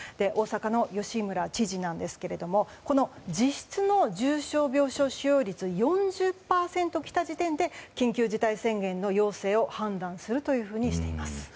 大阪の吉村知事ですがこの実質の重症病床使用率４０％ときた時点で緊急事態宣言の要請を判断するというふうにしています。